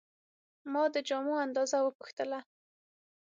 ما د جامو اندازه وپوښتله.